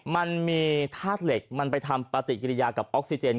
มันมีธาตุเหล็กมันไปทำปฏิกิริยากับออกซิเจน